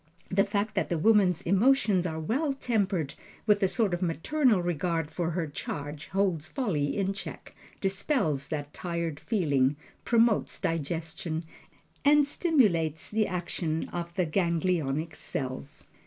The fact that the woman's emotions are well tempered with a sort of maternal regard for her charge holds folly in check, dispels that tired feeling, promotes digestion, and stimulates the action of the ganglionic cells.